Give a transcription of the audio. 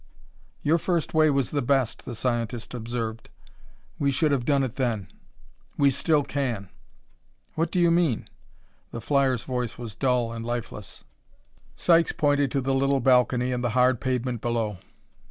"Your first way was the best," the scientist observed; "we should have done it then. We still can." "What do you mean?" The flyer's voice was dull and lifeless. Sykes pointed to the little balcony and the hard pavement below.